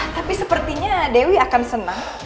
tapi sepertinya dewi akan senang